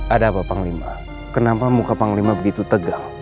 ada apa panglima kenapa muka panglima begitu tegang